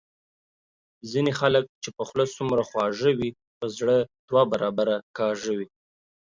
ځینی خلګ چي په خوله څومره خواږه وي په زړه دوه برابره کاږه وي